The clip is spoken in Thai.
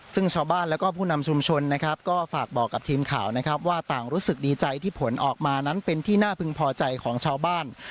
ซึ่งชาวบ้านแล้วก็ผู้นำชุมชนนะครับก็ฝากบอกกับทีมข่าวนะครับว่าต่างรู้สึกดีใจที่ผลออกมานั้นเป็นที่น่าพึงพอใจของชาวบ้าน